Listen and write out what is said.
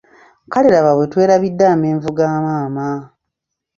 Kale laba bwe twerabidde amenvu ga maama.